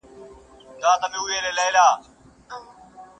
تا چي رنګ د ورور په وینو صمصام راوړ,